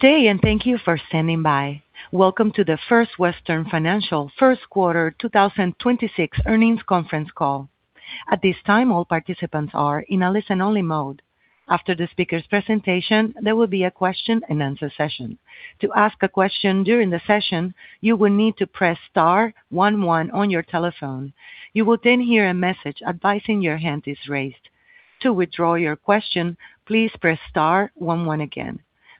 Good day and thank you for standing by. Welcome to the First Western Financial Q1 2026 earnings conference call. At this time, all participants are in a listen-only mode. After the speaker's presentation, there will be a question-and-answer session. To ask a question during the session, you will need to press star one one on your telephone. You will then hear a message advising your hand is raised. To withdraw your question, please press star one one again.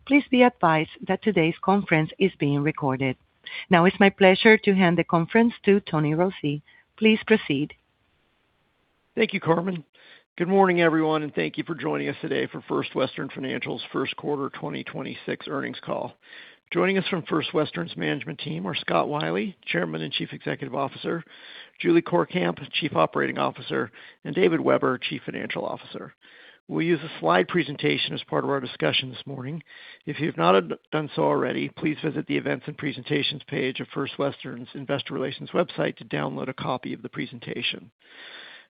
Please be advised that today's conference is being recorded. Now it's my pleasure to hand the conference to Tony Rossi. Please proceed. Thank you, Carmen. Good morning, everyone, and thank you for joining us today for First Western Financial's first quarter 2026 earnings call. Joining us from First Western's management team are Scott Wylie, Chairman and Chief Executive Officer, Julie Courkamp, Chief Operating Officer, and David Weber, Chief Financial Officer. We'll use a slide presentation as part of our discussion this morning. If you've not done so already, please visit the Events and Presentations page of First Western's Investor Relations website to download a copy of the presentation.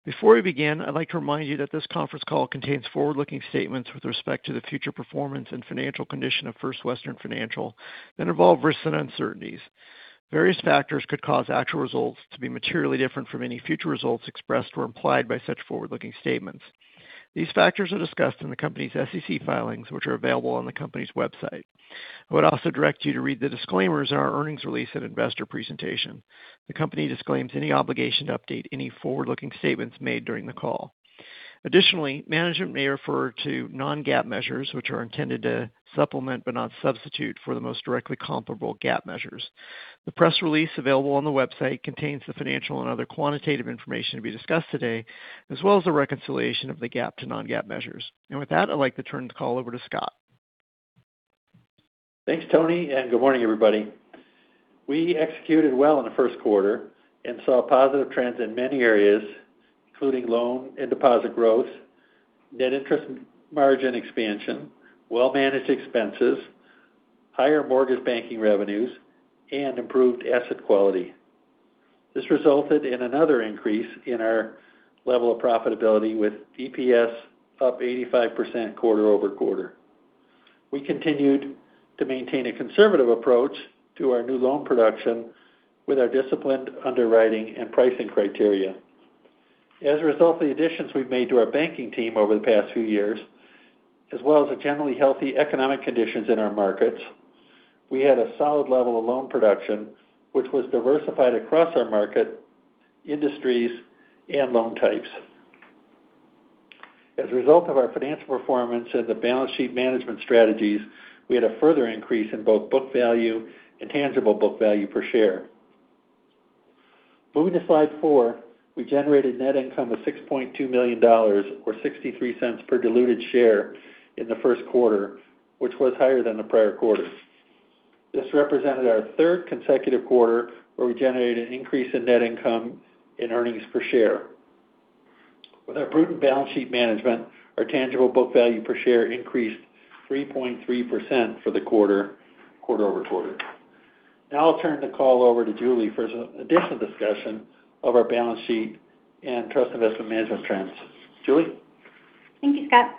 Before we begin, I'd like to remind you that this conference call contains forward-looking statements with respect to the future performance and financial condition of First Western Financial that involve risks and uncertainties. Various factors could cause actual results to be materially different from any future results expressed or implied by such forward-looking statements. These factors are discussed in the company's SEC filings, which are available on the company's website. I would also direct you to read the disclaimers in our earnings release and investor presentation. The company disclaims any obligation to update any forward-looking statements made during the call. Additionally, management may refer to non-GAAP measures, which are intended to supplement, but not substitute for, the most directly comparable GAAP measures. The press release available on the website contains the financial and other quantitative information to be discussed today, as well as the reconciliation of the GAAP to non-GAAP measures. With that, I'd like to turn the call over to Scott. Thanks, Tony, and good morning, everybody. We executed well in the Q1 and saw positive trends in many areas, including loan and deposit growth, net interest margin expansion, well-managed expenses, higher mortgage banking revenues, and improved asset quality. This resulted in another increase in our level of profitability, with EPS up 85% quarter-over-quarter. We continued to maintain a conservative approach to our new loan production with our disciplined underwriting and pricing criteria. As a result of the additions we've made to our banking team over the past few years, as well as the generally healthy economic conditions in our markets, we had a solid level of loan production, which was diversified across our market, industries, and loan types. As a result of our financial performance and the balance sheet management strategies, we had a further increase in both book value and tangible book value per share. Moving to slide four, we generated net income of $6.2 million, or 0.63 per diluted share in the Q1, which was higher than the prior quarter. This represented our third consecutive quarter where we generated an increase in net income and earnings per share. With our prudent balance sheet management, our tangible book value per share increased 3.3% for the quarter-over-quarter. Now I'll turn the call over to Julie for additional discussion of our balance sheet and trust investment management trends. Julie? Thank you, Scott.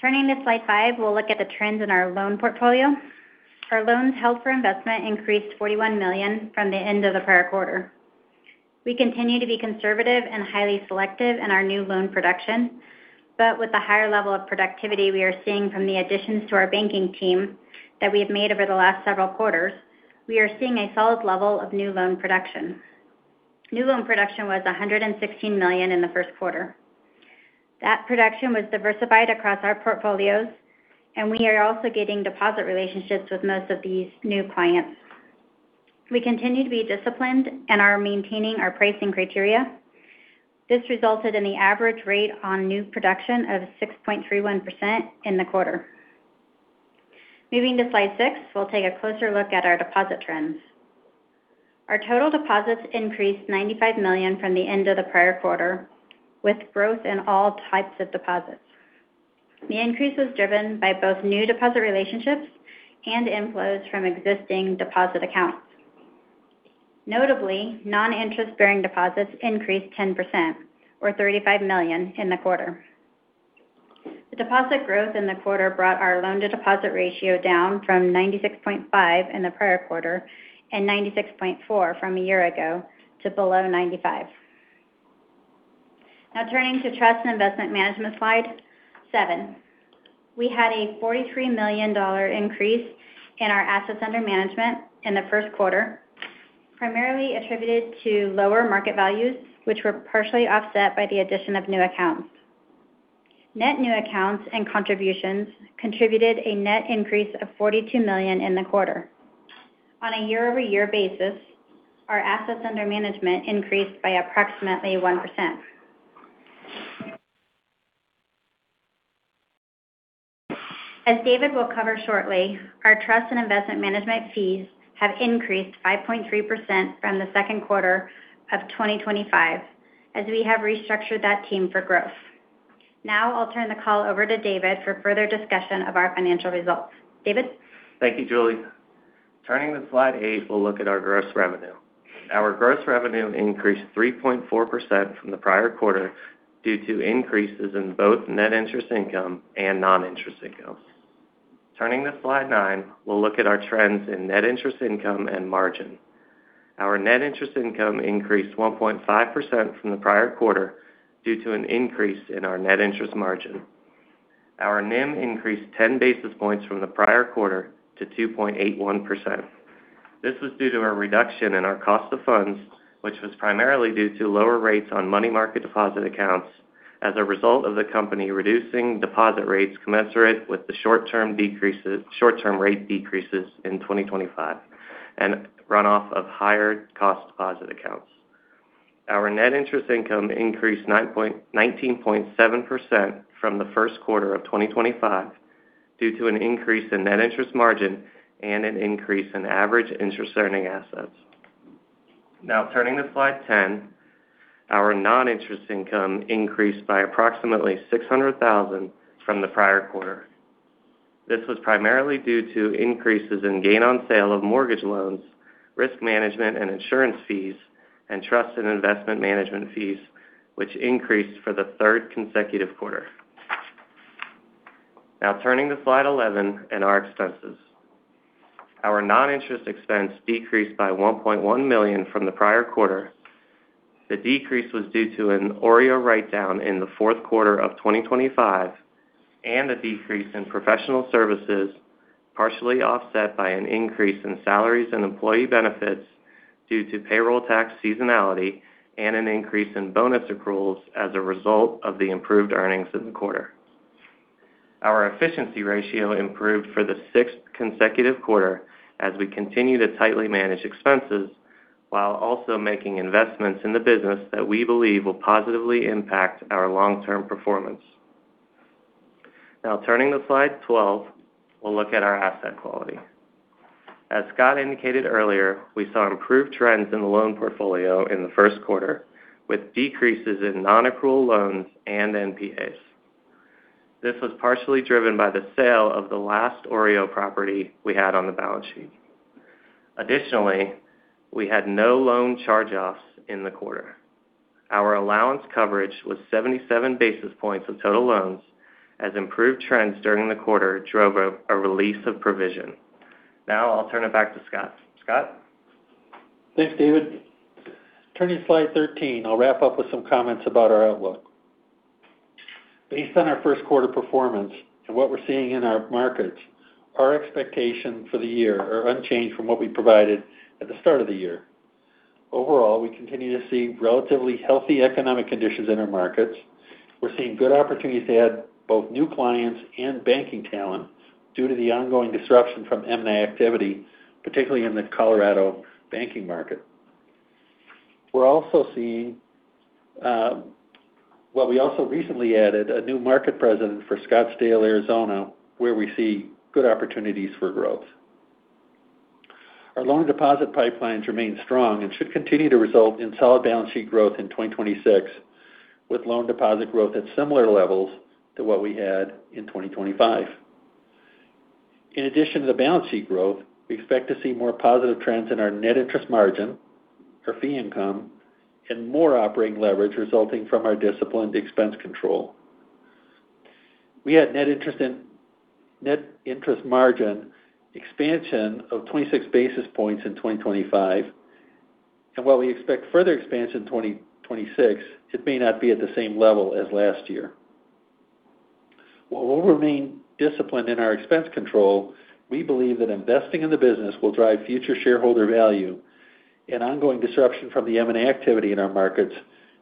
Turning to slide five, we'll look at the trends in our loan portfolio. Our loans held for investment increased 41 million from the end of the prior quarter. We continue to be conservative and highly selective in our new loan production, but with the higher level of productivity we are seeing from the additions to our banking team that we have made over the last several quarters, we are seeing a solid level of new loan production. New loan production was 116 million in the Q1. That production was diversified across our portfolios, and we are also getting deposit relationships with most of these new clients. We continue to be disciplined and are maintaining our pricing criteria. This resulted in the average rate on new production of 6.31% in the quarter. Moving to slide six, we'll take a closer look at our deposit trends. Our total deposits increased 95 million from the end of the prior quarter, with growth in all types of deposits. The increase was driven by both new deposit relationships and inflows from existing deposit accounts. Notably, non-interest-bearing deposits increased 10%, or 35 million, in the quarter. The deposit growth in the quarter brought our loan-to-deposit ratio down from 96.5 in the prior quarter and 96.4 from a year ago to below 95. Now turning to trust and investment management, slide seven. We had a $43 million increase in our assets under management in the Q1, primarily attributed to lower market values, which were partially offset by the addition of new accounts. Net new accounts and contributions contributed a net increase of 42 million in the quarter. On a year-over-year basis, our assets under management increased by approximately 1%. As David will cover shortly, our trust and investment management fees have increased 5.3% from the second quarter of 2025, as we have restructured that team for growth. Now I'll turn the call over to David for further discussion of our financial results. David? Thank you, Julie. Turning to slide eight, we'll look at our gross revenue. Our gross revenue increased 3.4% from the prior quarter due to increases in both net interest income and non-interest income. Turning to slide nine, we'll look at our trends in net interest income and margin. Our net interest income increased 1.5% from the prior quarter due to an increase in our net interest margin. Our NIM increased 10 basis points from the prior quarter to 2.81%. This was due to a reduction in our cost of funds, which was primarily due to lower rates on money market deposit accounts as a result of the company reducing deposit rates commensurate with the short-term rate decreases in 2025, and runoff of higher cost deposit accounts. Our net interest income increased 19.7% from the Q1 of 2025 due to an increase in net interest margin and an increase in average interest-earning assets. Now turning to slide 10. Our non-interest income increased by approximately 600,000 from the prior quarter. This was primarily due to increases in gain on sale of mortgage loans, risk management, and insurance fees, and trust and investment management fees, which increased for the third consecutive quarter. Now turning to slide 11 and our expenses. Our non-interest expense decreased by 1.1 million from the prior quarter. The decrease was due to an OREO write-down in the Q4 of 2025 and a decrease in professional services, partially offset by an increase in salaries and employee benefits due to payroll tax seasonality and an increase in bonus accruals as a result of the improved earnings in the quarter. Our efficiency ratio improved for the sixth consecutive quarter as we continue to tightly manage expenses while also making investments in the business that we believe will positively impact our long-term performance. Now turning to slide 12, we'll look at our asset quality. As Scott indicated earlier, we saw improved trends in the loan portfolio in the Q1, with decreases in non-accrual loans and NPAs. This was partially driven by the sale of the last OREO property we had on the balance sheet. Additionally, we had no loan charge-offs in the quarter. Our allowance coverage was 77 basis points of total loans as improved trends during the quarter drove a release of provision. Now I'll turn it back to Scott. Scott? Thanks, David. Turning to slide 13, I'll wrap up with some comments about our outlook. Based on our Q1 performance and what we're seeing in our markets, our expectations for the year are unchanged from what we provided at the start of the year. Overall, we continue to see relatively healthy economic conditions in our markets. We're seeing good opportunities to add both new clients and banking talent due to the ongoing disruption from M&A activity, particularly in the Colorado banking market. We also recently added a new market president for Scottsdale, Arizona, where we see good opportunities for growth. Our loan deposit pipelines remain strong and should continue to result in solid balance sheet growth in 2026, with loan deposit growth at similar levels to what we had in 2025. In addition to the balance sheet growth, we expect to see more positive trends in our Net Interest Margin, our fee income, and more operating leverage resulting from our disciplined expense control. We had Net Interest Margin expansion of 26 basis points in 2025. While we expect further expansion in 2026, it may not be at the same level as last year. While we'll remain disciplined in our expense control, we believe that investing in the business will drive future shareholder value, and ongoing disruption from the M&A activity in our markets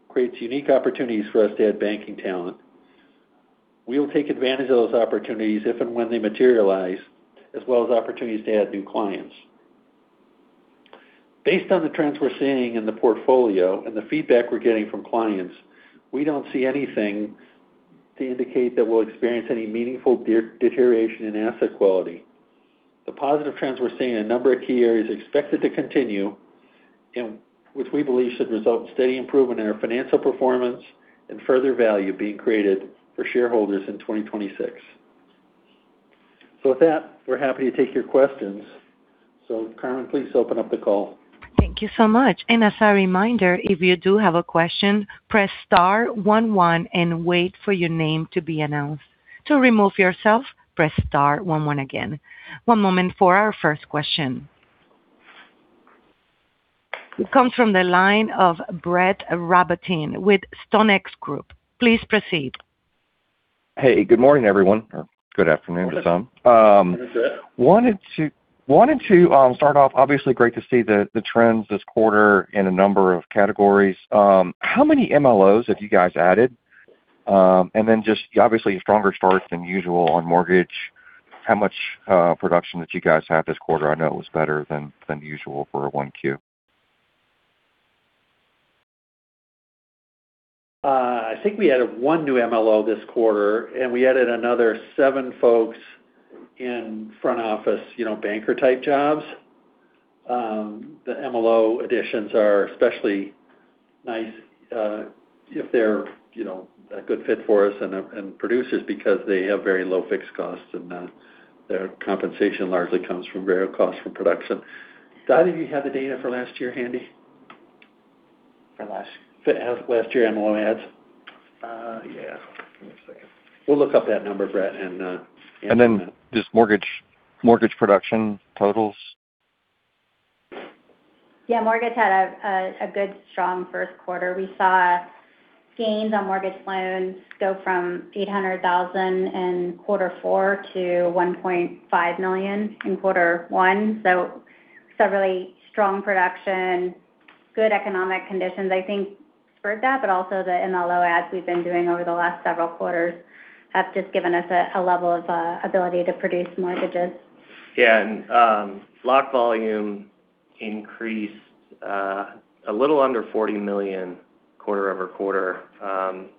creates unique opportunities for us to add banking talent. We will take advantage of those opportunities if and when they materialize, as well as opportunities to add new clients. Based on the trends we're seeing in the portfolio and the feedback we're getting from clients, we don't see anything to indicate that we'll experience any meaningful deterioration in asset quality. The positive trends we're seeing in a number of key areas are expected to continue, which we believe should result in steady improvement in our financial performance and further value being created for shareholders in 2026. With that, we're happy to take your questions. Carmen, please open up the call. Thank you so much. As a reminder, if you do have a question, press star one one and wait for your name to be announced. To remove yourself, press star one one again. One moment for our first question. It comes from the line of Brett Rabatin with StoneX Group. Please proceed. Hey, good morning, everyone, or good afternoon to some. Good afternoon. wanted to start off, obviously great to see the trends this quarter in a number of categories. How many MLOs have you guys added? Just obviously a stronger start than usual on mortgage. How much production did you guys have this quarter? I know it was better than usual for a 1Q. I think we added one new MLO this quarter, and we added another seven folks in front office banker-type jobs. The MLO additions are especially nice. If they're a good fit for us and are producers because they have very low fixed costs and their compensation largely comes from variable costs from production. Did either of you have the data for last year handy? For last year? Last year, MLO adds. Yeah. Give me a second. We'll look up that number, Brett, and. just mortgage production totals. Yeah. Mortgage had a good strong Q1. We saw gains on mortgage loans go from 800,000 in Q1 to 1.5 million in quarter one. Several really strong production, good economic conditions, I think spurred that. Also the MLO adds we've been doing over the last several quarters have just given us a level of ability to produce mortgages. Yeah. Lock volume increased a little under 40 million quarter-over-quarter.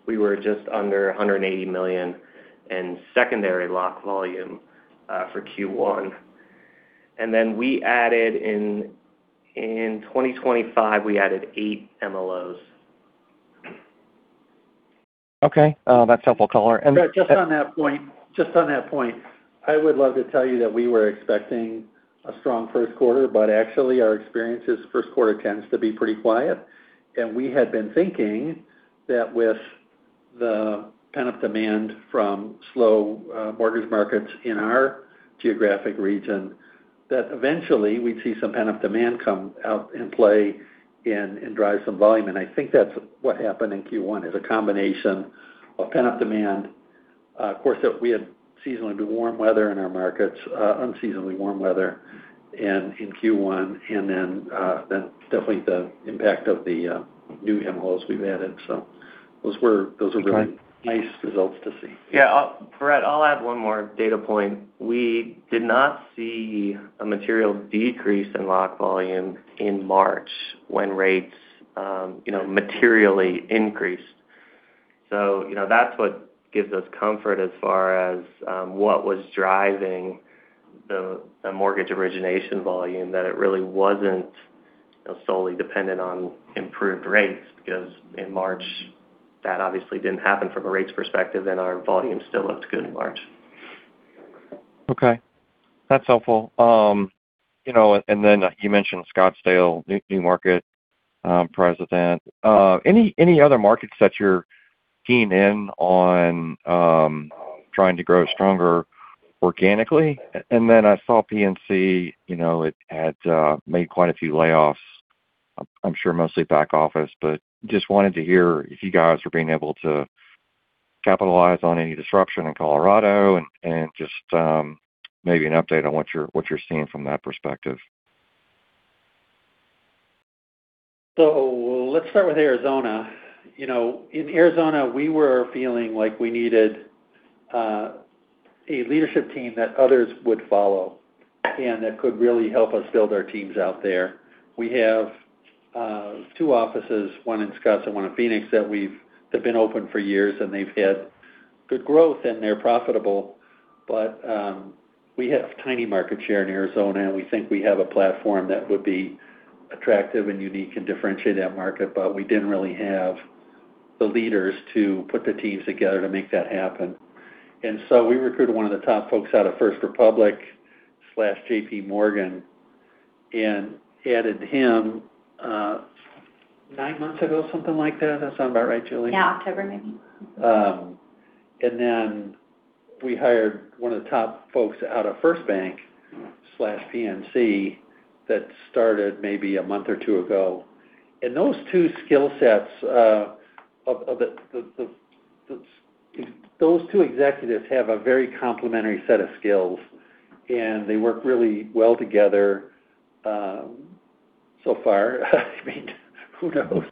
We were just under 180 million in secondary lock volume for Q1. Then we added eight MLOs in 2025. Okay. That's helpful, caller. Brett, just on that point, I would love to tell you that we were expecting a strong Q1, but actually our experience is Q1 tends to be pretty quiet. We had been thinking that with the pent-up demand from slow mortgage markets in our geographic region, that eventually we'd see some pent-up demand come out and play and drive some volume. I think that's what happened in Q1, it's a combination of pent-up demand. Of course, we had seasonally warm weather in our markets, unseasonably warm weather in Q1, and then definitely the impact of the new MLOs we've added. Those were really nice results to see. Yeah. Brett, I'll add one more data point. We did not see a material decrease in lock volume in March when rates materially increased. That's what gives us comfort as far as what was driving the mortgage origination volume, that it really wasn't solely dependent on improved rates, because in March that obviously didn't happen from a rates perspective, and our volume still looked good in March. Okay. That's helpful. You mentioned Scottsdale new market president. Any other markets that you're keying in on trying to grow stronger organically? I saw PNC, it had made quite a few layoffs. I'm sure mostly back office, but just wanted to hear if you guys were being able to capitalize on any disruption in Colorado and just maybe an update on what you're seeing from that perspective. Let's start with Arizona. In Arizona, we were feeling like we needed a leadership team that others would follow, and that could really help us build our teams out there. We have two offices, one in Scottsdale and one in Phoenix, that have been open for years, and they've had good growth and they're profitable. We have tiny market share in Arizona, and we think we have a platform that would be attractive and unique and differentiate that market. We didn't really have the leaders to put the teams together to make that happen. We recruited one of the top folks out of First Republic/JPMorgan and added him nine months ago, something like that. Does that sound about right, Julie? Yeah, October maybe. Then we hired one of the top folks out of FirstBank/PNC that started maybe a month or two ago. Those two skill sets of those two executives have a very complementary set of skills, and they work really well together, so far. I mean, who knows?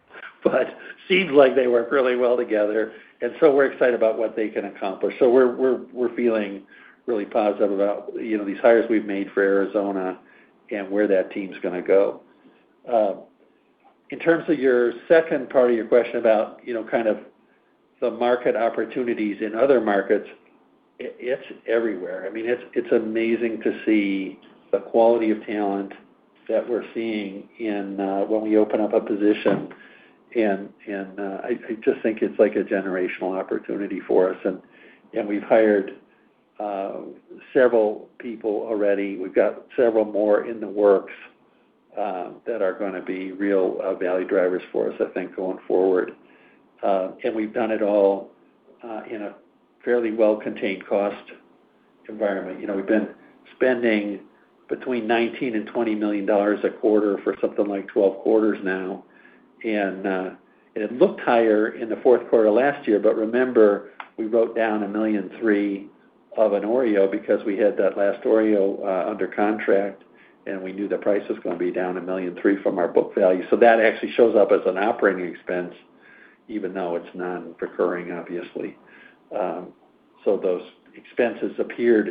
Seems like they work really well together, and so we're excited about what they can accomplish. We're feeling really positive about these hires we've made for Arizona and where that team's going to go. In terms of your second part of your question about kind of the market opportunities in other markets, it's everywhere. It's amazing to see the quality of talent that we're seeing when we open up a position. I just think it's like a generational opportunity for us. We've hired several people already. We've got several more in the works that are going to be real value drivers for us, I think, going forward. We've done it all in a fairly well-contained cost environment. We've been spending between $19-$20 million a quarter for something like 12 quarters now. It looked higher in the Q4 last year, but remember, we wrote down 1.3 million of an OREO because we had that last OREO under contract, and we knew the price was going to be down 1.3 million from our book value. That actually shows up as an operating expense, even though it's non-recurring, obviously. Those expenses appeared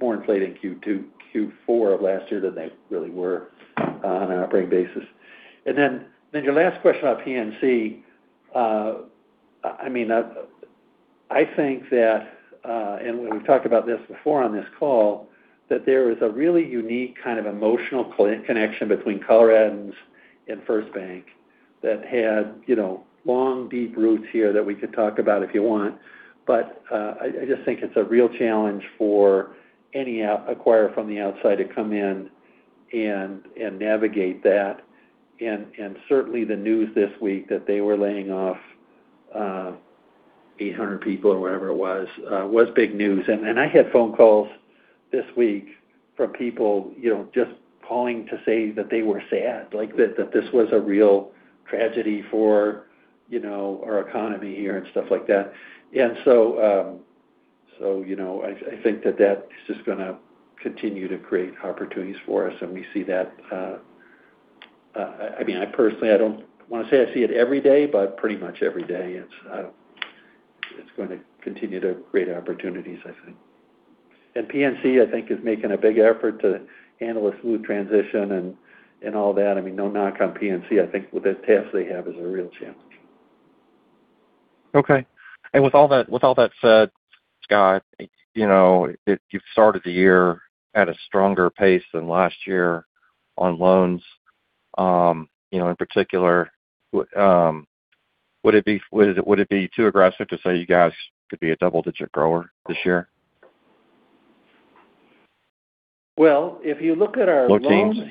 more inflated in Q4 of last year than they really were on an operating basis. Then your last question about PNC. I mean, I think that, and we've talked about this before on this call, that there is a really unique kind of emotional connection between Coloradans and FirstBank that had long, deep roots here that we could talk about if you want. I just think it's a real challenge for any acquirer from the outside to come in and navigate that. Certainly the news this week that they were laying off 800 people or whatever it was big news. I had phone calls this week from people just calling to say that they were sad, that this was a real tragedy for our economy here and stuff like that. I think that is just going to continue to create opportunities for us and we see that. Personally, I don't want to say I see it every day, but pretty much every day. It's going to continue to create opportunities, I think. PNC, I think, is making a big effort to handle a smooth transition and all that. No knock on PNC. I think with the tasks they have, it's a real challenge. Okay. With all that said, Scott, you've started the year at a stronger pace than last year on loans. In particular, would it be too aggressive to say you guys could be a double-digit grower this year? Well, if you look at our loans. Low teens?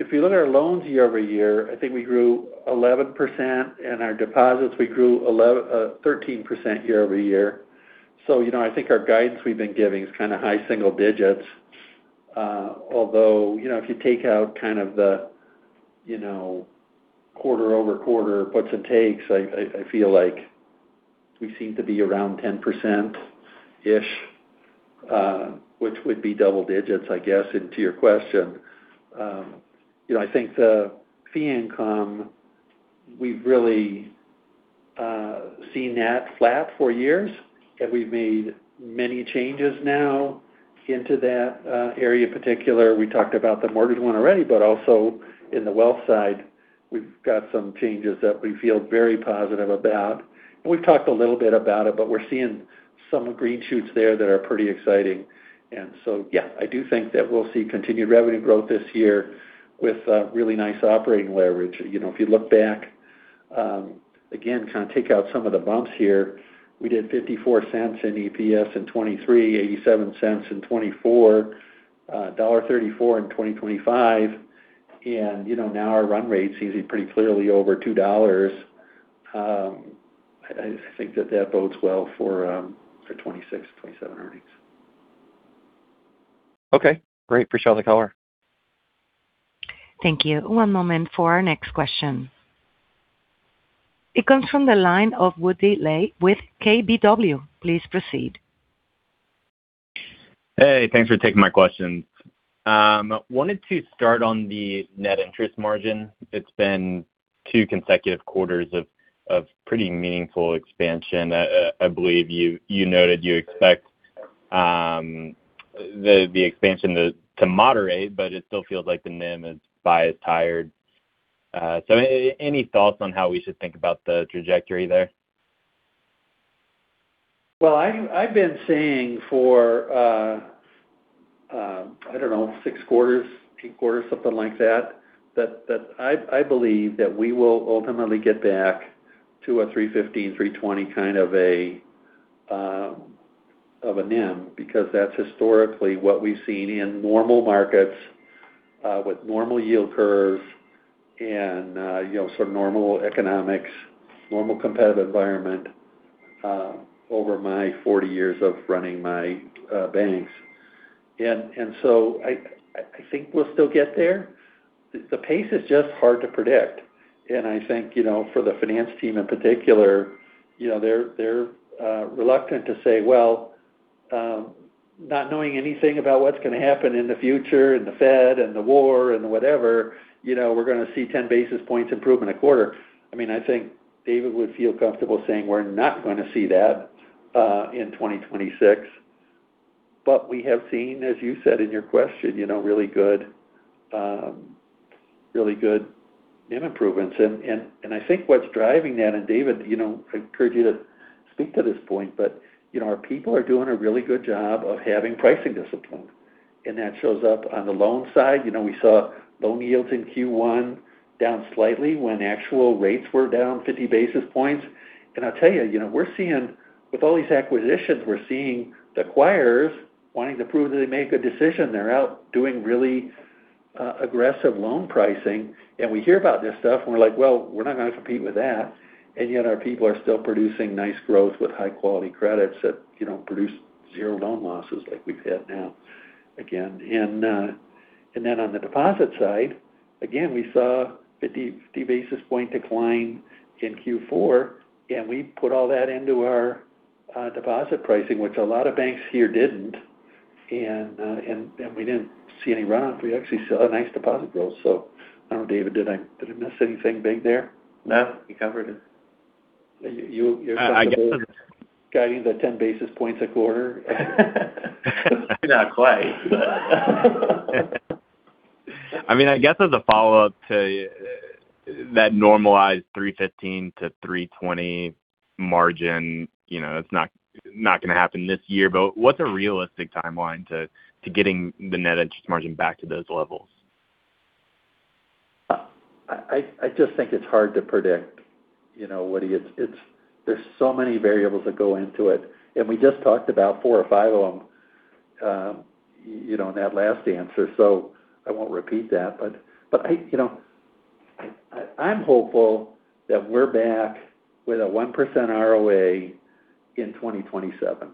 If you look at our loans year-over-year, I think we grew 11%, and our deposits, we grew 13% year-over-year. I think our guidance we've been giving is kind of high single digits. Although, if you take out kind of the quarter-over-quarter puts and takes, I feel like we seem to be around 10%, which would be double digits, I guess, and to your question. I think the fee income, we've really seen that flat for years, and we've made many changes now into that area in particular. We talked about the mortgage one already, but also in the wealth side, we've got some changes that we feel very positive about. We've talked a little bit about it, but we're seeing some green shoots there that are pretty exciting. Yeah, I do think that we'll see continued revenue growth this year with really nice operating leverage. If you look back, again, kind of take out some of the bumps here. We did 0.54 in EPS in 2023, 0.87 in 2024, 1.34 in 2025, and now our run rate seems to be pretty clearly over $2. I think that bodes well for 2026, 2027 earnings. Okay, great. Appreciate the color. Thank you. One moment for our next question. It comes from the line of William Jones with KBW. Please proceed. Hey, thanks for taking my questions. Wanted to start on the Net Interest Margin. It's been two consecutive quarters of pretty meaningful expansion. I believe you noted you expect the expansion to moderate, but it still feels like the NIM is biased higher. Any thoughts on how we should think about the trajectory there? Well, I've been saying for, I don't know, six quarters, eight quarters, something like that I believe that we will ultimately get back to a 315-320 kind of a NIM, because that's historically what we've seen in normal markets, with normal yield curves and sort of normal economics, normal competitive environment, over my 40 years of running my banks. I think we'll still get there. The pace is just hard to predict. I think, for the finance team in particular, they're reluctant to say, well, not knowing anything about what's going to happen in the future and the Fed and the war and whatever, we're going to see 10 basis points improve in a quarter. I think David would feel comfortable saying we're not going to see that in 2026. We have seen, as you said in your question, really good NIM improvements. I think what's driving that, and David, I encourage you to speak to this point. Our people are doing a really good job of having pricing discipline, and that shows up on the loan side. We saw loan yields in Q1 down slightly when actual rates were down 50 basis points. I'll tell you, with all these acquisitions, we're seeing the acquirers wanting to prove that they make a good decision. They're out doing really aggressive loan pricing, and we hear about this stuff, and we're like, well, we're not going to compete with that. Yet our people are still producing nice growth with high-quality credits that produce zero loan losses like we've had now again. On the deposit side, again, we saw 50 basis points decline in Q4, and we put all that into our deposit pricing, which a lot of banks here didn't. We didn't see any runoff. We actually saw a nice deposit growth. I don't know, David, did I miss anything big there? No, you covered it. You're comfortable. I guess- Guiding the 10 basis points a quarter? Not quite. I guess as a follow-up to that normalized 315-320 margin, it's not going to happen this year, but what's a realistic timeline to getting the Net Interest Margin back to those levels? I just think it's hard to predict, Woody. There's so many variables that go into it, and we just talked about four or five of them in that last answer, so I won't repeat that. I'm hopeful that we're back with a 1% ROA in 2027.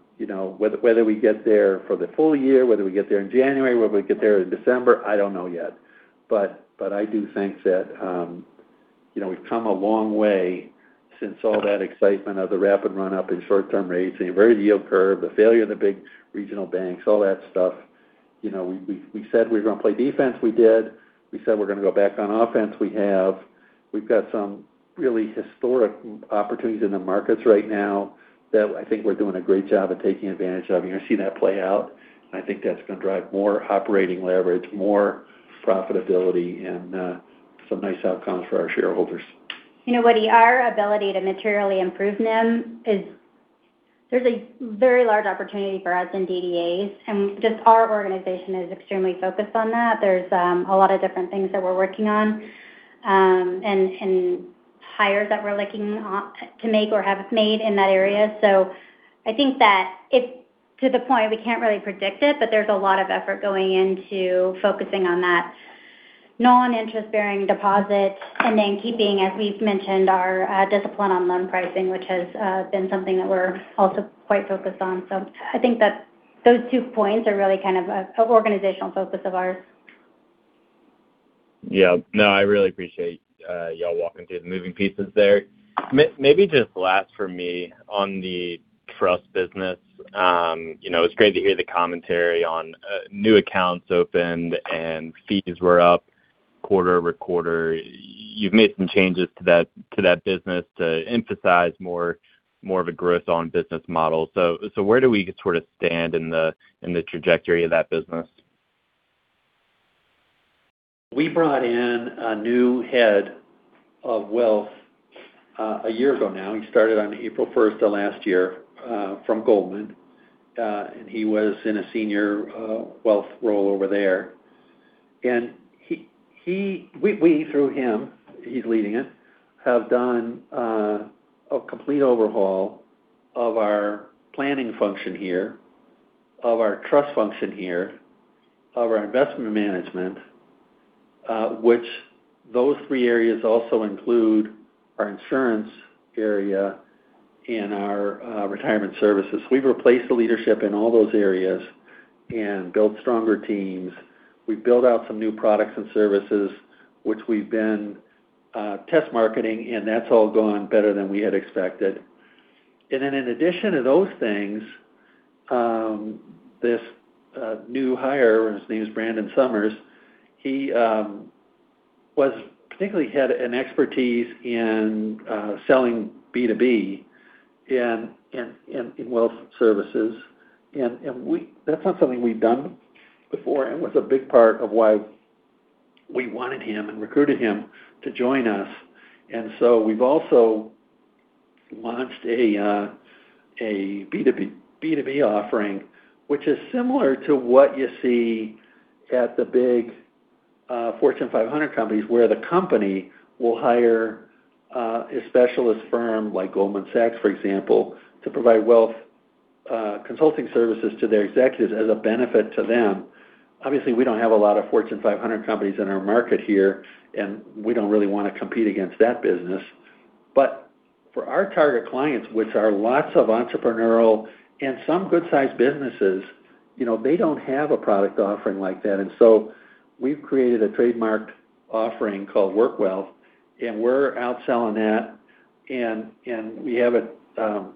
Whether we get there for the full year, whether we get there in January, whether we get there in December, I don't know yet. I do think that we've come a long way since all that excitement of the rapid run-up in short-term rates, the inverted yield curve, the failure of the big regional banks, all that stuff. We said we were going to play defense. We did. We said we're going to go back on offense. We have. We've got some really historic opportunities in the markets right now that I think we're doing a great job of taking advantage of, and you'll see that play out. I think that's going to drive more operating leverage, more profitability, and some nice outcomes for our shareholders. Woody, our ability to materially improve NIM is. There's a very large opportunity for us in DDAs, and just our organization is extremely focused on that. There's a lot of different things that we're working on and hires that we're looking to make or have made in that area. I think that it's to the point we can't really predict it, but there's a lot of effort going into focusing on that non-interest-bearing deposit and then keeping, as we've mentioned, our discipline on loan pricing, which has been something that we're also quite focused on. I think that those two points are really kind of an organizational focus of ours. Yeah. No, I really appreciate y'all walking through the moving pieces there. Maybe just last for me on the trust business. It's great to hear the commentary on new accounts opened and fees were up quarter over quarter. You've made some changes to that business to emphasize more of a growth on business model. Where do we sort of stand in the trajectory of that business? We brought in a new Head of Wealth a year ago now. He started on April 1st of last year from Goldman, and he was in a senior wealth role over there. We, through him, he's leading it, have done a complete overhaul of our planning function here, of our trust function here, of our investment management which those three areas also include our insurance area and our retirement services. We've replaced the leadership in all those areas and built stronger teams. We've built out some new products and services which we've been test marketing, and that's all gone better than we had expected. In addition to those things, this new hire, his name is Brandon Summers, he particularly had an expertise in selling B2B in wealth services. That's not something we've done before and was a big part of why we wanted him and recruited him to join us. We've also launched a B2B offering, which is similar to what you see at the big Fortune 500 companies where the company will hire a specialist firm like Goldman Sachs, for example, to provide wealth consulting services to their executives as a benefit to them. Obviously, we don't have a lot of Fortune 500 companies in our market here, and we don't really want to compete against that business. For our target clients, which are lots of entrepreneurial and some good-sized businesses, they don't have a product offering like that. We've created a trademarked offering called WorkWealth, and we're out selling that. We have a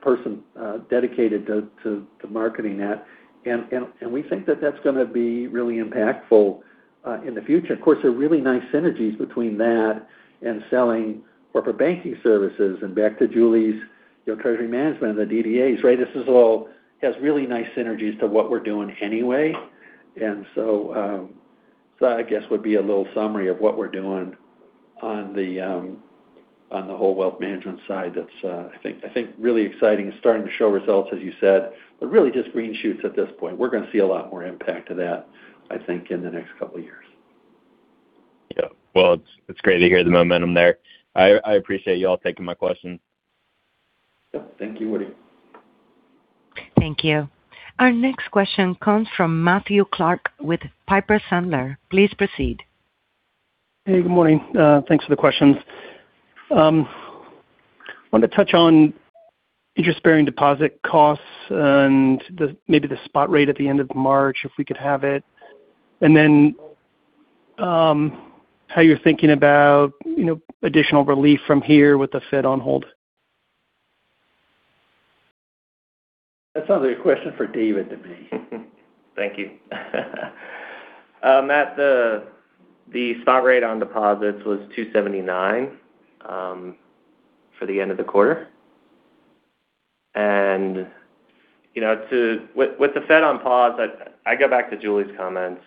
person dedicated to marketing that. We think that that's going to be really impactful in the future. Of course, there are really nice synergies between that and selling corporate banking services and back to Julie’s treasury management and the DDAs, right? This all has really nice synergies to what we're doing anyway. That, I guess, would be a little summary of what we're doing on the whole wealth management side that's I think really exciting. It's starting to show results, as you said, but really just green shoots at this point. We're going to see a lot more impact to that, I think, in the next couple of years. Yeah. Well, it's great to hear the momentum there. I appreciate y'all taking my questions. Yeah. Thank you, Will Jones. Thank you. Our next question comes from Matthew Clark with Piper Sandler. Please proceed. Hey, good morning. Thanks for the questions. I wanted to touch on interest-bearing deposit costs and maybe the spot rate at the end of March, if we could have it, and then how you're thinking about additional relief from here with the Fed on hold. That sounds like a question for David to me. Thank you. Matt, the spot rate on deposits was 2.79% for the end of the quarter. With the Fed on pause, I go back to Julie's comments.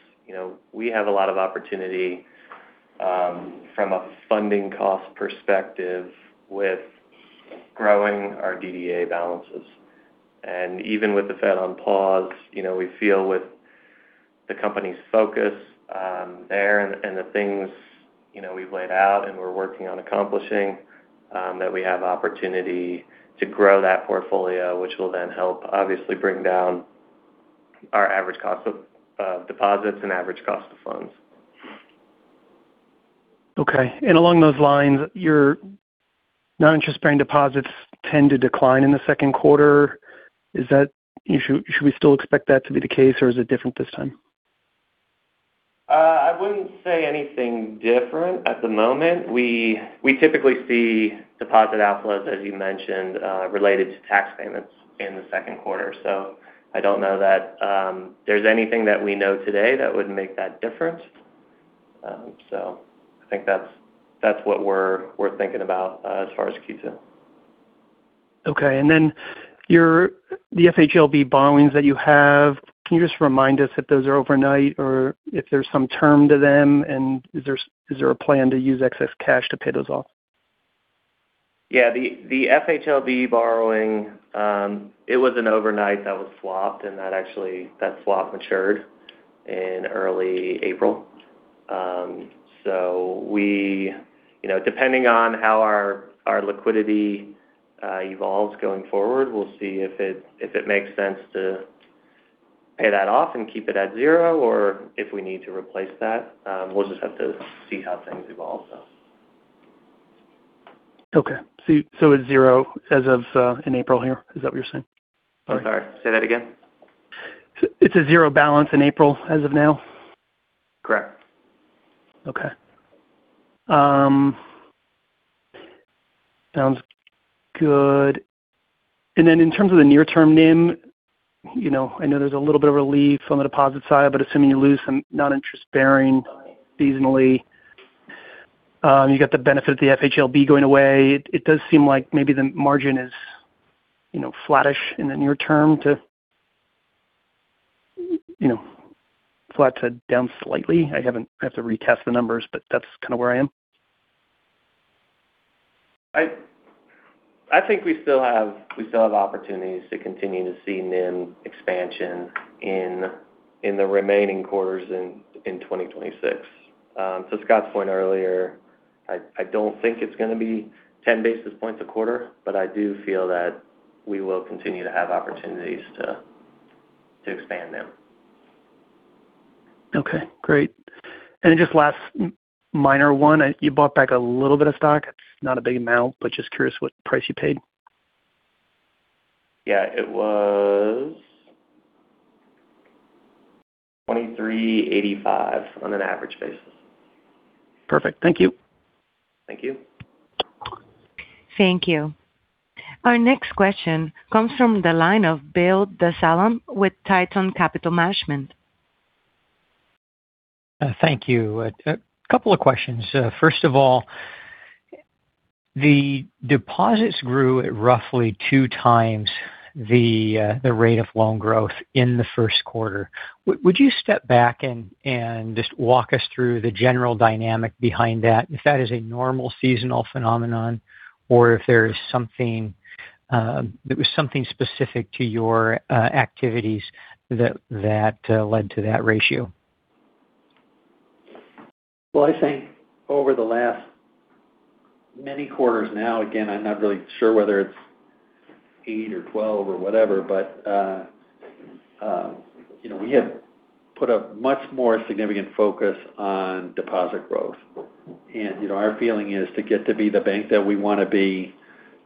We have a lot of opportunity from a funding cost perspective with growing our DDA balances. Even with the Fed on pause, we feel with the company's focus there and the things we've laid out and we're working on accomplishing, that we have opportunity to grow that portfolio. Which will then help obviously bring down our average cost of deposits and average cost of funds. Okay. Along those lines, your non-interest-bearing deposits tend to decline in the second quarter. Should we still expect that to be the case, or is it different this time? I wouldn't say anything different at the moment. We typically see deposit outflows, as you mentioned, related to tax payments in the second quarter. I don't know that there's anything that we know today that would make that different. I think that's what we're thinking about as far as key to. Okay. Then the FHLB borrowings that you have, can you just remind us if those are overnight or if there's some term to them, and is there a plan to use excess cash to pay those off? Yeah. The FHLB borrowing, it was an overnight that was swapped, and that swap matured in early April. Depending on how our liquidity evolves going forward, we'll see if it makes sense to pay that off and keep it at zero, or if we need to replace that. We'll just have to see how things evolve. Okay. It's zero as of in April here, is that what you're saying? I'm sorry, say that again. It's a zero balance in April as of now? Correct. Okay. Sounds good. In terms of the near term NIM, I know there's a little bit of relief on the deposit side, but assuming you lose some non-interest-bearing seasonally, you got the benefit of the FHLB going away. It does seem like maybe the margin is flattish in the near term to flat to down slightly. I have to retest the numbers, but that's kind of where I am. I think we still have opportunities to continue to see NIM expansion in the remaining quarters in 2026. To Scott's point earlier, I don't think it's going to be 10 basis points a quarter, but I do feel that we will continue to have opportunities to expand NIM. Okay, great. Just last minor one, you bought back a little bit of stock, not a big amount, but just curious what price you paid? Yeah. It was 23.85 on an average basis. Perfect. Thank you. Thank you. Thank you. Our next question comes from the line of Bill Dezellem with Tieton Capital Management. Thank you. A couple of questions. First of all, the deposits grew at roughly two times the rate of loan growth in the Q1. Would you step back and just walk us through the general dynamic behind that? If that is a normal seasonal phenomenon or if there was something specific to your activities that led to that ratio? Well, I think over the last many quarters now, again, I'm not really sure whether it's eight or 12 or whatever, but we have put a much more significant focus on deposit growth. Our feeling is to get to be the bank that we want to be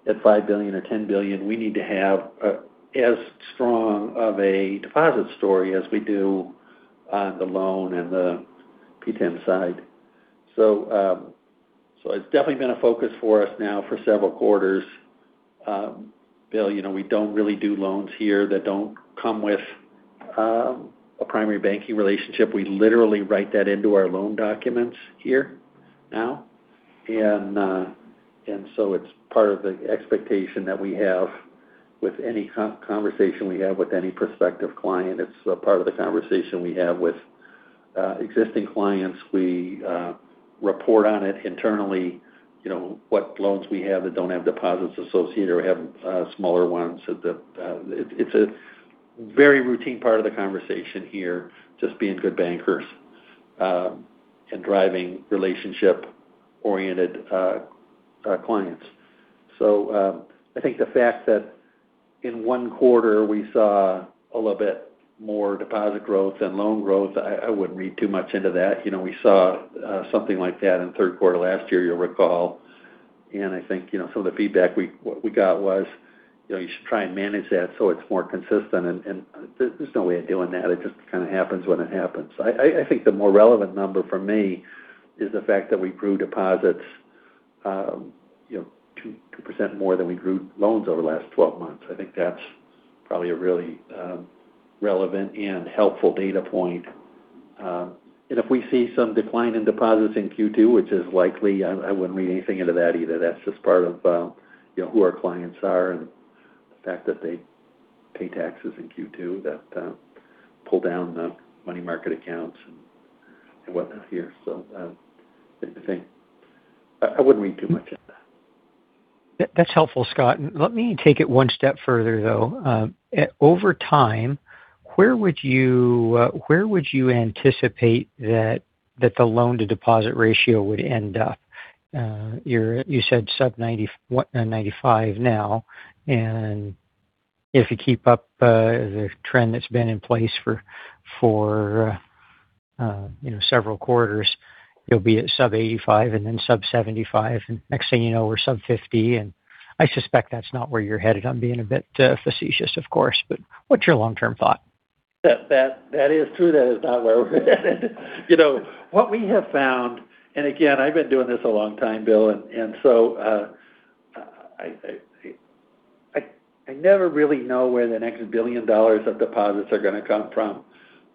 at 5 billion or 10 billion, we need to have as strong of a deposit story as we do on the loan and the P10 side. It's definitely been a focus for us now for several quarters. Bill, we don't really do loans here that don't come with a primary banking relationship. We literally write that into our loan documents here now. It's part of the expectation that we have with any conversation we have with any prospective client. It's a part of the conversation we have with existing clients. We report on it internally, what loans we have that don't have deposits associated or have smaller ones. It's a very routine part of the conversation here, just being good bankers and driving relationship-oriented clients. I think the fact that in Q1 we saw a little bit more deposit growth than loan growth, I wouldn't read too much into that. We saw something like that in third quarter last year, you'll recall. I think some of the feedback we got was you should try and manage that so it's more consistent, and there's no way of doing that. It just kind of happens when it happens. I think the more relevant number for me is the fact that we grew deposits 2% more than we grew loans over the last 12 months. I think that's probably a really relevant and helpful data point. If we see some decline in deposits in Q2, which is likely, I wouldn't read anything into that either. That's just part of who our clients are and the fact that they pay taxes in Q2, that pull down the money market accounts and whatnot here. I wouldn't read too much into that. That's helpful, Scott. Let me take it one step further, though. Over time, where would you anticipate that the loan-to-deposit ratio would end up? You said sub 95% now, and if you keep up the trend that's been in place for several quarters, you'll be at sub 85% and then sub 75%, and next thing you know, we're sub 50%, and I suspect that's not where you're headed. I'm being a bit facetious, of course, but what's your long-term thought? That is true. That is not where we're headed. What we have found, and again, I've been doing this a long time, Bill, and so I never really know where the next $1 billion of deposits are going to come from.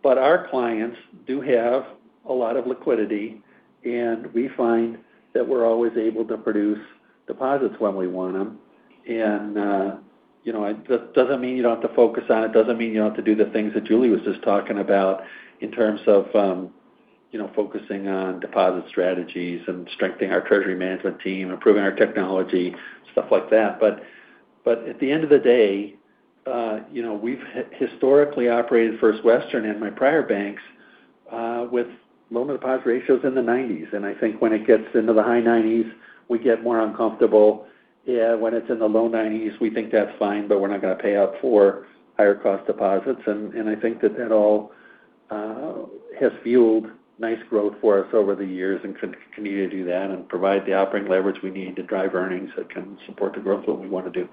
Our clients do have a lot of liquidity, and we find that we're always able to produce deposits when we want them. It doesn't mean you don't have to focus on it, doesn't mean you don't have to do the things that Julie was just talking about in terms of focusing on deposit strategies and strengthening our treasury management team, improving our technology, stuff like that. At the end of the day, we've historically operated First Western and my prior banks with loan-to-deposit ratios in the 90s, and I think when it gets into the high 90s, we get more uncomfortable. When it's in the low 90s, we think that's fine, but we're not going to pay out for higher cost deposits. I think that all has fueled nice growth for us over the years and continue to do that and provide the operating leverage we need to drive earnings that can support the growth that we want to do.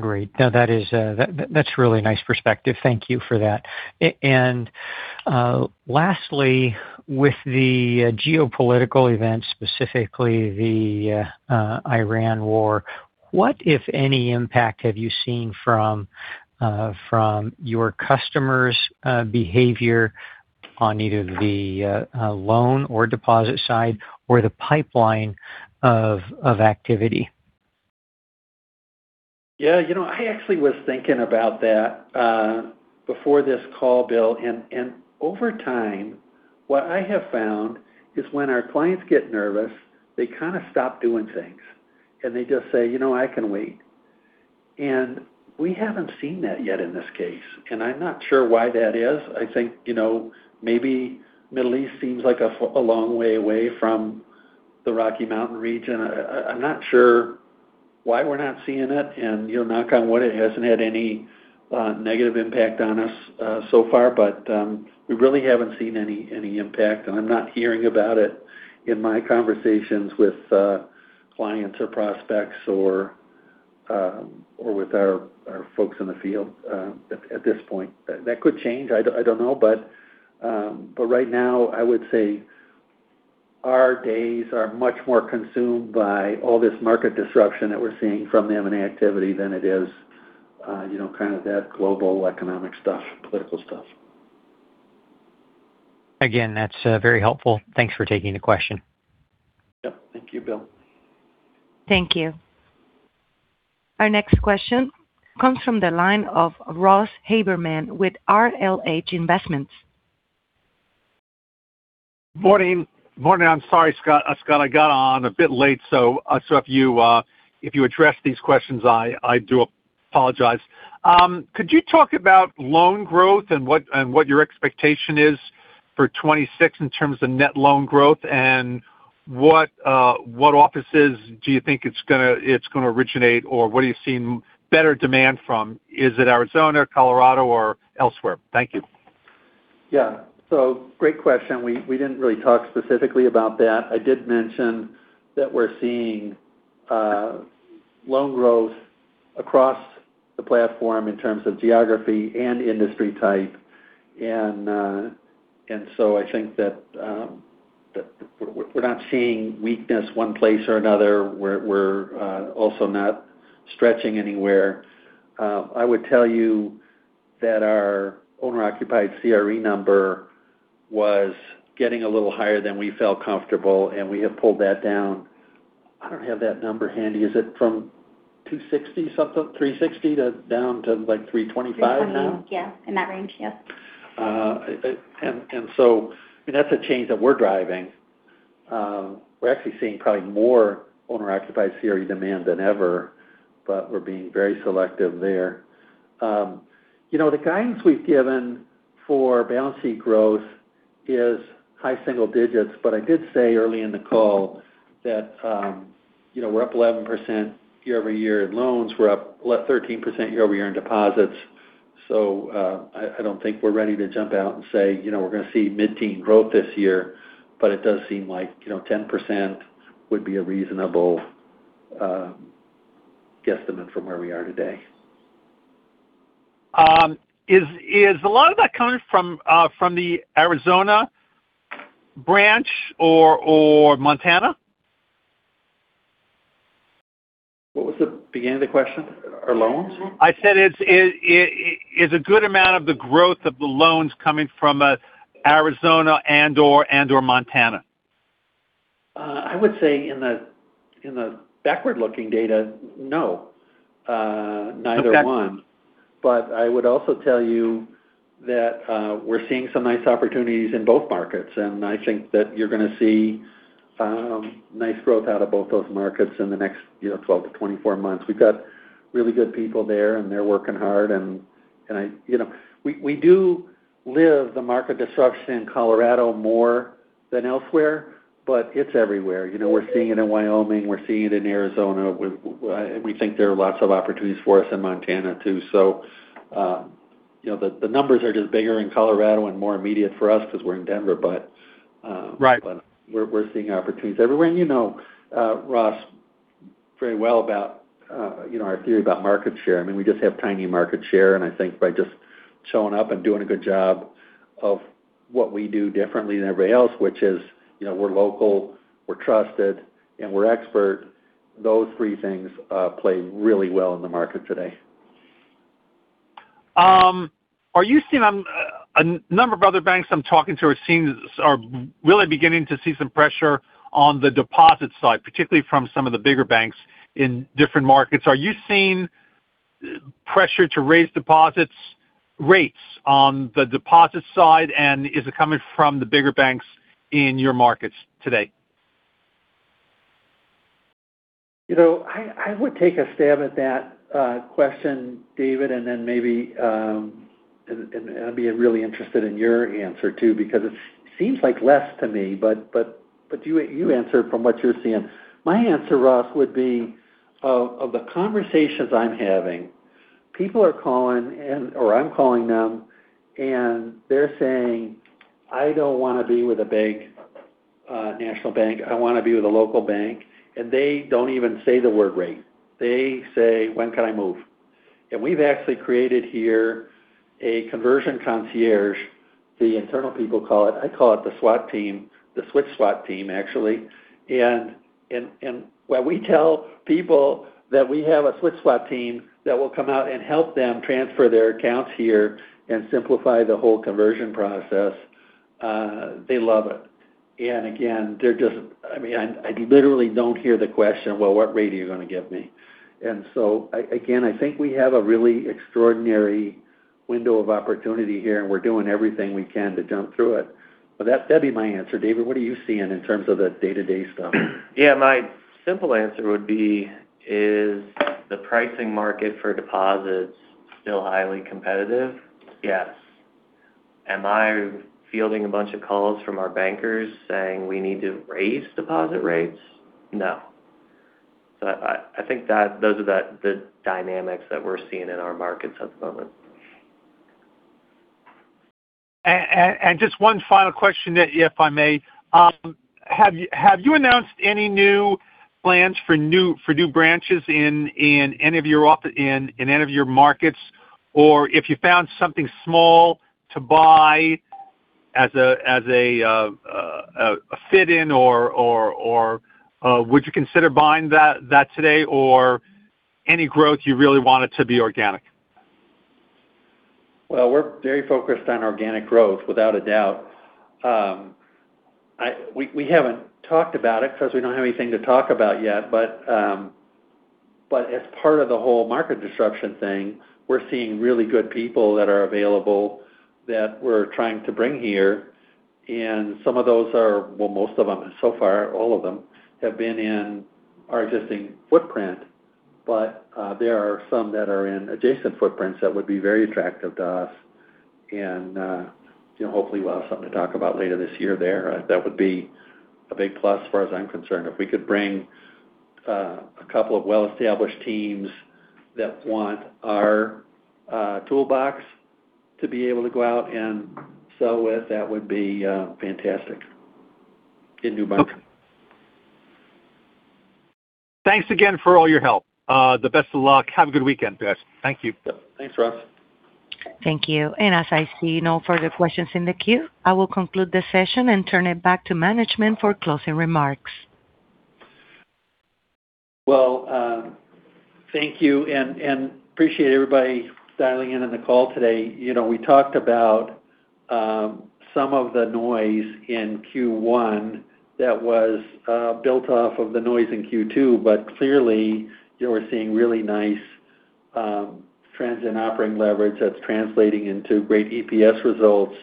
Great. Now that's really nice perspective. Thank you for that. Lastly, with the geopolitical events, specifically the Iran war, what, if any, impact have you seen from your customers' behavior on either the loan or deposit side or the pipeline of activity? Yeah, I actually was thinking about that before this call, Bill. Over time, what I have found is when our clients get nervous, they kind of stop doing things, and they just say, "I can wait." We haven't seen that yet in this case. I'm not sure why that is. I think, maybe Middle East seems like a long way away from the Rocky Mountain region. I'm not sure why we're not seeing it, and knock on wood, it hasn't had any negative impact on us so far. We really haven't seen any impact, and I'm not hearing about it in my conversations with clients or prospects or with our folks in the field at this point. That could change, I don't know. right now, I would say our days are much more consumed by all this market disruption that we're seeing from the M&A activity than it is kind of that global economic stuff, political stuff. Again, that's very helpful. Thanks for taking the question. Yep. Thank you, Bill. Thank you. Our next question comes from the line of Ross Haberman with RLH Investments. Morning. I'm sorry, Scott. I got on a bit late, so if you address these questions, I do apologize. Could you talk about loan growth and what your expectation is for 2026 in terms of net loan growth, and what offices do you think it's going to originate or what are you seeing better demand from? Is it Arizona, Colorado, or elsewhere? Thank you. Yeah. Great question. We didn't really talk specifically about that. I did mention that we're seeing loan growth across the platform in terms of geography and industry type. I think that we're not seeing weakness one place or another. We're also not stretching anywhere. I would tell you that our owner-occupied CRE number was getting a little higher than we felt comfortable, and we have pulled that down. I don't have that number handy. Is it from 260 something, 360 to down to like 325 now? Yeah. In that range, yeah. That's a change that we're driving. We're actually seeing probably more owner-occupied CRE demand than ever, but we're being very selective there. The guidance we've given for balance sheet growth is high single digits. I did say early in the call that we're up 11% year-over-year in loans. We're up 13% year-over-year in deposits. I don't think we're ready to jump out and say we're going to see mid-teen growth this year, but it does seem like 10% would be a reasonable guesstimate from where we are today. Is a lot of that coming from the Arizona branch or Montana? What was the beginning of the question? Our loans? I said, is a good amount of the growth of the loans coming from Arizona and/or Montana? I would say in the backward-looking data, no. Neither one. Okay. I would also tell you that we're seeing some nice opportunities in both markets, and I think that you're going to see nice growth out of both those markets in the next 12-24 months. We've got really good people there, and they're working hard. We do live the market disruption in Colorado more than elsewhere, but it's everywhere. We're seeing it in Wyoming. We're seeing it in Arizona. We think there are lots of opportunities for us in Montana, too. The numbers are just bigger in Colorado and more immediate for us because we're in Denver, but. Right... we're seeing opportunities everywhere. You know, Ross, very well about our theory about market share. I mean, we just have tiny market share, and I think by just showing up and doing a good job of what we do differently than everybody else, which is, we're local, we're trusted, and we're expert. Those three things play really well in the market today. A number of other banks I'm talking to are really beginning to see some pressure on the deposit side, particularly from some of the bigger banks in different markets. Are you seeing pressure to raise deposit rates on the deposit side, and is it coming from the bigger banks in your markets today? I would take a stab at that question, David, and then maybe, I'd be really interested in your answer, too, because it seems like less to me, but you answer it from what you're seeing. My answer, Ross, would be, of the conversations I'm having, people are calling, and or I'm calling them, and they're saying, "I don't want to be with a national bank. I want to be with a local bank." They don't even say the word rate. They say, "When can I move?" We've actually created here a conversion concierge, the internal people call it. I call it the SWAT team, the Switch SWAT team, actually. When we tell people that we have a Switch SWAT team that will come out and help them transfer their accounts here and simplify the whole conversion process, they love it. Again, I literally don't hear the question, "Well, what rate are you going to give me?" Again, I think we have a really extraordinary window of opportunity here, and we're doing everything we can to jump through it. That'd be my answer. David, what are you seeing in terms of the day-to-day stuff? Yeah, my simple answer would be, is the pricing market for deposits still highly competitive? Yes. Am I fielding a bunch of calls from our bankers saying we need to raise deposit rates? No. I think those are the dynamics that we're seeing in our markets at the moment. Just one final question, if I may. Have you announced any new plans for new branches in any of your markets, or if you found something small to buy as a fit in, or would you consider buying that today, or any growth you really want it to be organic? Well, we're very focused on organic growth, without a doubt. We haven't talked about it because we don't have anything to talk about yet. As part of the whole market disruption thing, we're seeing really good people that are available that we're trying to bring here, and some of those are well, most of them, so far, all of them have been in our existing footprint, but there are some that are in adjacent footprints that would be very attractive to us. Hopefully, we'll have something to talk about later this year there. That would be a big plus as far as I'm concerned. If we could bring a couple of well-established teams that want our toolbox to be able to go out and sell with, that would be fantastic in New Bank. Okay. Thanks again for all your help. The best of luck. Have a good weekend, guys. Thank you. Thanks, Ross. Thank you. As I see no further questions in the queue, I will conclude the session and turn it back to management for closing remarks. Well, thank you, and appreciate everybody dialing in on the call today. We talked about some of the noise in Q1 that was built off of the noise in Q2. Clearly, we're seeing really nice trends in operating leverage that's translating into great EPS results.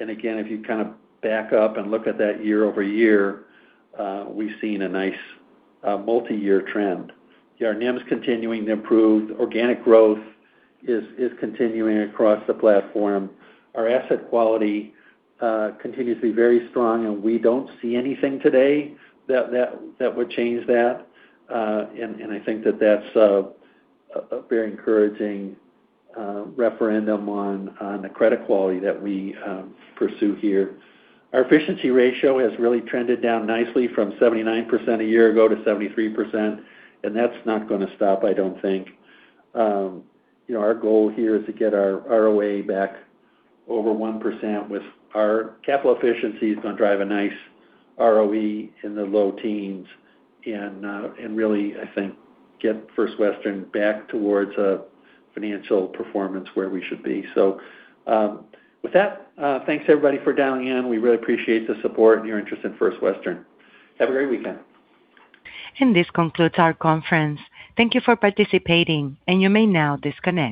Again, if you kind of back up and look at that year-over-year, we've seen a nice multi-year trend. Our NIMs continuing to improve. Organic growth is continuing across the platform. Our asset quality continues to be very strong, and we don't see anything today that would change that. I think that's a very enc ouraging referendum on the credit quality that we pursue here. Our efficiency ratio has really trended down nicely from 79% a year ago to 73%, and that's not going to stop, I don't think. Our goal here is to get our ROA back over 1% with our capital efficiency is going to drive a nice ROE in the low teens and really, I think, get First Western back towards a financial performance where we should be. With that, thanks everybody for dialing in. We really appreciate the support and your interest in First Western. Have a great weekend. This concludes our conference. Thank you for participating, and you may now disconnect.